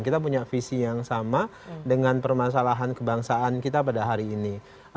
kita punya visi yang sama dengan permasalahan kebangsaan kita pada hari ini